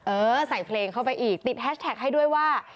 เออใส่เพลงเข้าไปอีกติดแฮชแท็กให้ด้วยว่า